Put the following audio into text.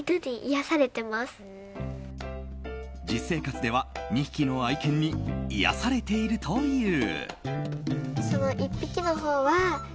実生活では２匹の愛犬に癒やされているという。